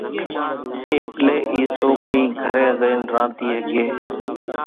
ايٽلي اِي سوڪري گھرين زئين رانڌي ۿڳي